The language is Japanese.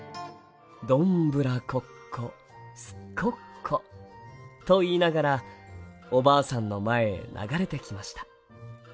「どんぶらこっこすっこっこ」と言いながらおばあさんの前へ流れてきました。